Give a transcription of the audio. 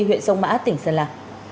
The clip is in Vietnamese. huyện sông mã tỉnh sơn la